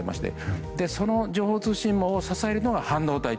その情報通信網を支えるのが半導体。